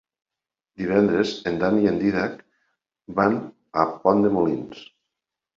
Divendres en Dan i en Dídac van a Pont de Molins.